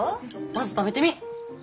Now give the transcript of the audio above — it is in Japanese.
まず食べてみー。